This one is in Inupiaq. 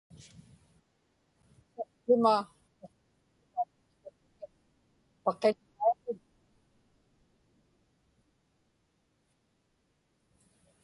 saptuma miquutigma mitqutiŋi paqillaiġitka